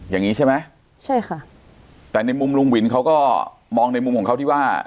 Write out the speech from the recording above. อย่างนี้ใช่ไหมใช่ค่ะแต่ในมุมลุงวินเขาก็มองในมุมของเขาที่ว่า